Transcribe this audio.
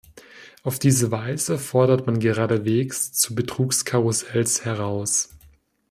Auf diese Weise fordert man geradewegs zu Betrugskarussells heraus.